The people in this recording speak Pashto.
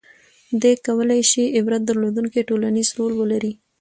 • دې کولای شي عبرت درلودونکی ټولنیز رول ولري.